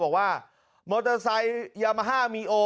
บอกว่ามอเตอร์ไซค์ยามาฮ่ามีโอ